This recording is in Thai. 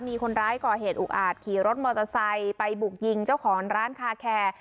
มีคนร้ายก่อเหตุอุกอาจขี่รถมอเตอร์ไซค์ไปบุกยิงเจ้าของร้านคาแคร์